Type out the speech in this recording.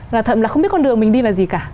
là thật là không biết con đường mình đi là gì cả